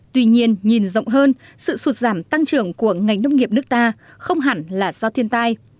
tuy nhiên nhìn rộng hơn sự sụt giảm tăng trưởng của ngành nông nghiệp nước ta không hẳn là do thiên tai